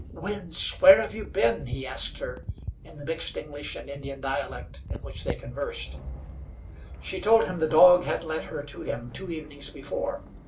"Winds, where have you been?" he asked her, in the mixed English and Indian dialect in which they conversed. She told him the dog had led her to him two evenings before.